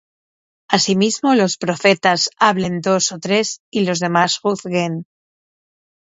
Asimismo, los profetas hablen dos ó tres, y los demás juzguen.